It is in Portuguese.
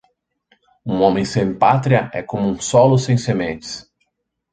Um homem sem pátria é como um solo sem sementes.